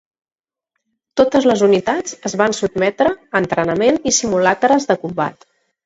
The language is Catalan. Totes les unitats es van sotmetre a entrenament i simulacres de combat.